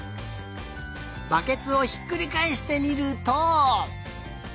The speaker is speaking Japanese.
バケツをひっくりかえしてみると。